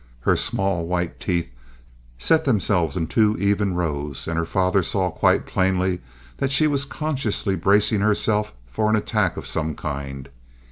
Her small, white teeth set themselves in two even rows; and her father saw quite plainly that she was consciously bracing herself for an attack of some kind.